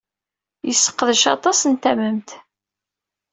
Yesseqdec aṭas n tamemt.